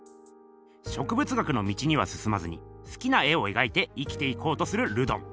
植物学の道にはすすまずに好きな絵を描いて生きていこうとするルドン。